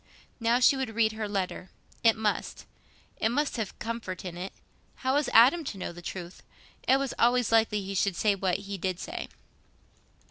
Now she would read her letter. It must—it must have comfort in it. How was Adam to know the truth? It was always likely he should say what he did say.